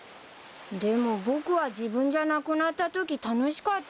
でも僕は自分じゃなくなったとき楽しかったよ。